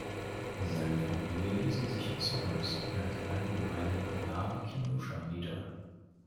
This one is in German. Seine Familie ließen sich in Somers, einer kleinen Gemeinde nahe Kenosha, nieder.